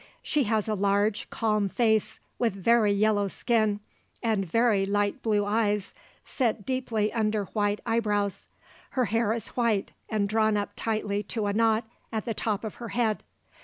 She has a large, calm face with very yellow skin, and very light blue eyes set deeply under white eyebrows. Her hair is white and drawn up tightly to a knot at the top of her head.